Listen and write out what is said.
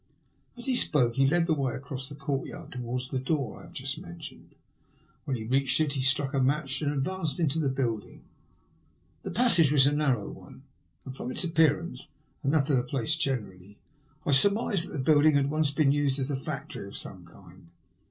As he spoke he led the way across the courtyard towards the door I have just mentioned. When he reached it he struck a match and advanced into the building. The passage was a narrow one, and from its appearance, and that of the place generally, I sur mised that the building had once been used as a factory of some kind.